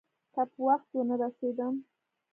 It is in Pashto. که په وخت ونه رسېدم.